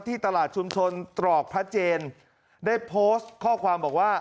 ตลาดชุมชนตรอกพระเจนได้โพสต์ข้อความบอกว่า